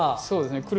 そうですね。